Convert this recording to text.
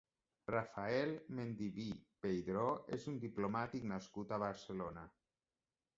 Rafael Mendívil Peydro és un diplomàtic nascut a Barcelona.